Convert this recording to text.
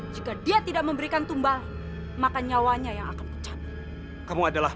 jika dia tidak memberikan tumbal maka nyawanya yang akan pecah kamu adalah